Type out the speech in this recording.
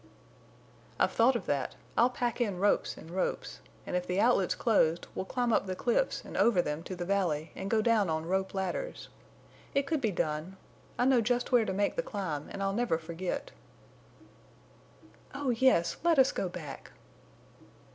"I've thought of that. I'll pack in ropes and ropes. And if the outlet's closed we'll climb up the cliffs and over them to the valley and go down on rope ladders. It could be done. I know just where to make the climb, and I'll never forget." "Oh yes, let us go back!"